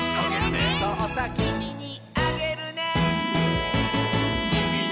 「そうさきみにあげるね」